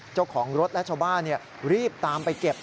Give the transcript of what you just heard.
เจ้าของรถและชาวบ้านรีบตามไปเก็บ